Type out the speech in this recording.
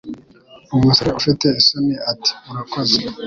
Umusore ufite isoni ati Urakoze